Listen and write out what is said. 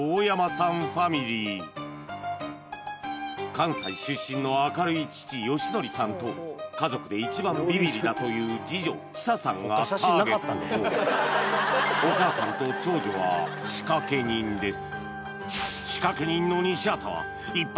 関西出身の明るい父佳則さんと家族で一番ビビりだという次女知佐さんがターゲットお母さんと長女は仕掛人です